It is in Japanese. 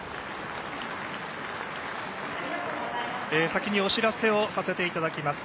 先にお知らせさせていただきます。